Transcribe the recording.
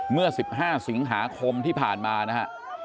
เมื่อ๑๕สิงหาคมที่ผ่านมานะฮะ